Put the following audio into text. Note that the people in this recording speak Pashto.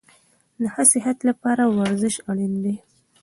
د ښه صحت دپاره ورزش اړین ده